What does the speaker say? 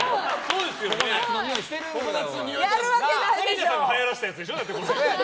紗理奈さんがはやらせたやつでしょ？